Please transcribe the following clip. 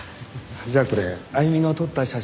じゃあこれあゆみの撮った写真。